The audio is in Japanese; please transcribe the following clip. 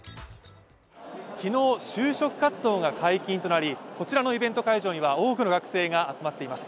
昨日、就職活動が解禁となりこちらのイベント会場には多くの学生が集まっています。